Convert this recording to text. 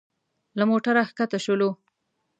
له موټره ښکته شولو.